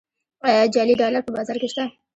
آیا جعلي ډالر په بازار کې شته؟